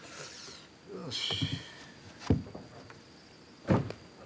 よし。